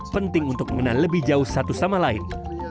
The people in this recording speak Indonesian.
penting untuk mengenal lebih jauh satu sama lain